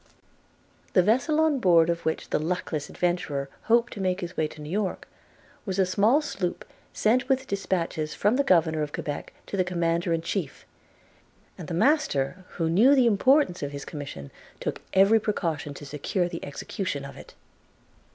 The vessel on board of which the luckless adventurer hoped to make his way to New York, was a small sloop sent with dispatches from the Governor of Quebec to the Commander in Chief; and the master, who knew the importance of his commission, took every precaution to secure the execution of it.